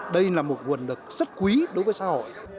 đây là một nguồn lực rất quý đối với xã hội